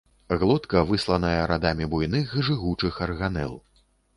Глотка высланая радамі буйных жыгучых арганел.